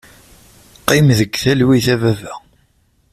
Qqim deg talwit a baba.